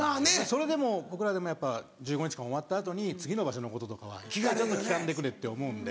それでも僕らでもやっぱ１５日間終わった後に次の場所のこととかはちょっと聞かんでくれって思うので。